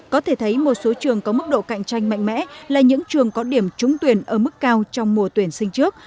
có thể thấy một số trường có mức độ cạnh tranh mạnh mẽ là những trường có điểm trúng tuyển ở mức cao trong mùa tuyển sinh trước